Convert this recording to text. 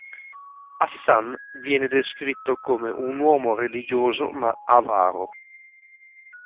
Hassan venne descritto come un uomo religioso ma avaro.